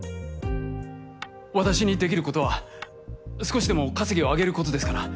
私にできることは少しでも稼ぎを上げることですから。